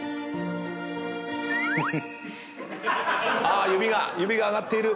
あ指が指が上がっている。